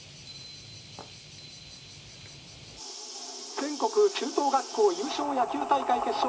「全国中等学校優勝野球大会決勝戦」。